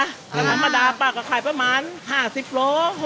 ธรรมดาปากก็ขายประมาณ๕๐กิโลกรัม๖๐กิโลกรัม